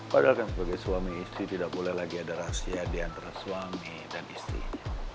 padahal kan sebagai suami istri tidak boleh lagi ada rahasia diantara suami dan istrinya